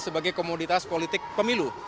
sebagai komoditas politik pemilu